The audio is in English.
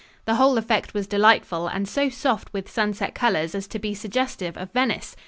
The whole effect was delightful and so soft with sunset colors as to be suggestive of Venice.